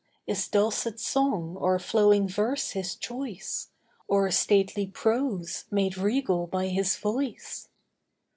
Is dulcet song or flowing verse his choice, Or stately prose, made regal by his voice?